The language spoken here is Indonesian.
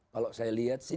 kalau saya lihat sih